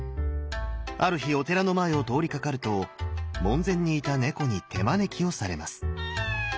ある日お寺の前を通りかかると門前にいた猫に手招きをされます。